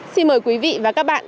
xin mời quý vị và các bạn